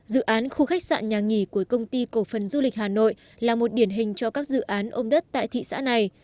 dự án khu khách sạn nhà nghỉ của công ty cổ phần du lịch hà nội là một điển hình cho các dự án ôm đất tại thị xã này